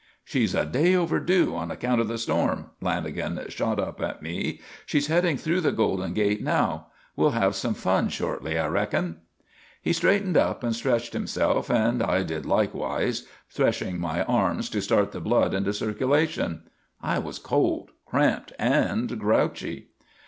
"She's a day overdue on account of the storm," Lanagan shot up at me. "She's heading through the Golden Gate now. We'll have some fun shortly, I reckon." He straightened up and stretched himself and I did likewise, threshing my arms to start the blood into circulation. I was cold, cramped and grouchy.